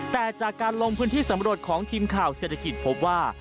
แต่จากการลงพื้นที่สำรวจของทีมข่าวเศรษฐกิจพบว่า